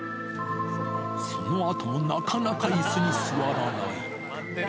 そのあともなかなかいすに座らない。